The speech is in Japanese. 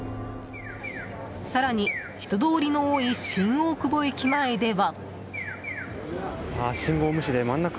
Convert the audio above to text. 更に、人通りの多い新大久保駅前では。